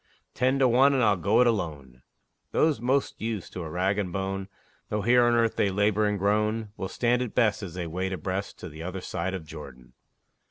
Ten to one, and I'll go it alone; Those most used to a rag and bone, Though here on earth they labor and groan, Will stand it best, as they wade abreast To the other side of Jordan.